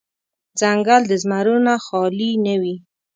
ځنګل د زمرو نه خالې نه وي.